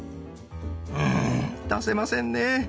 うん出せませんね。